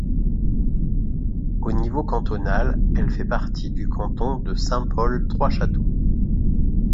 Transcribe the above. Au niveau cantonal, elle fait partie du canton de Saint-Paul-Trois-Châteaux.